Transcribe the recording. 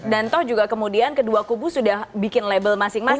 dan toh juga kemudian kedua kubu sudah bikin label masing masing